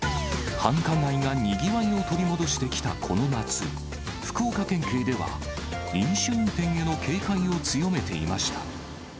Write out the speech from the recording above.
繁華街がにぎわいを取り戻してきたこの夏、福岡県警では、飲酒運転への警戒を強めていました。